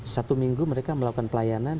satu minggu mereka melakukan pelayanan